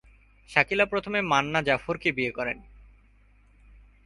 শাকিলা প্রথমে মান্না জাফরকে বিয়ে করেন।